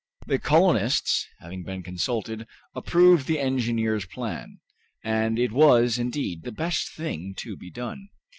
The colonists, having been consulted, approved the engineer's plan, and it was, indeed, the best thing to be done.